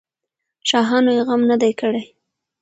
شاهانو یې غم نه دی کړی.